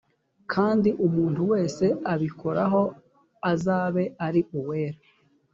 kandi umuntu wese ubikoraho azabe ari uwera